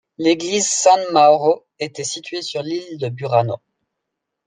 L'église San Mauro était située sur l'île de Burano.